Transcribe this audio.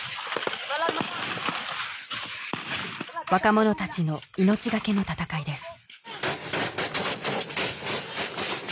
若者たちの命懸けの闘いです